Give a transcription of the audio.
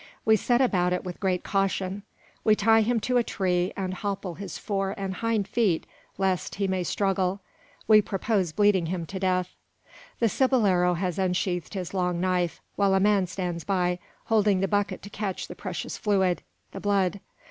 We set about it with great caution. We tie him to a tree, and hopple his fore and hind feet, lest he may struggle. We propose bleeding him to death. The cibolero has unsheathed his long knife, while a man stands by, holding the bucket to catch the precious fluid: the blood.